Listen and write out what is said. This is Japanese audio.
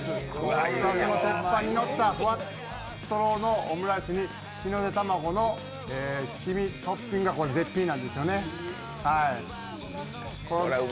熱々の鉄板に乗ったふわっとろのオムライスに日の出たまごの黄身トッピングが絶品なんですよね。